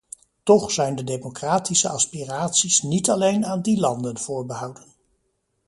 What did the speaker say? Toch zijn de democratische aspiraties niet alleen aan die landen voorbehouden.